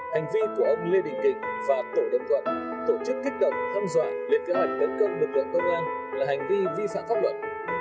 hành vi của ông lê đình kỳnh và tổ đồng luật tổ chức kích động tham dọa liệt kế ảnh bất cầm lực lượng công an là hành vi vi phạm pháp luật